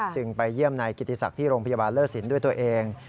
ไปเยี่ยมนายกิติศักดิ์ที่โรงพยาบาลเลิศสินด้วยตัวเอง